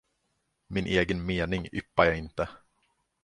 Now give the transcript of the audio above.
Min egen mening yppar jag inte.